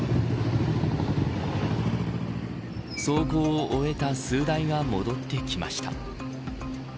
走行を終えた数台が戻ってきました。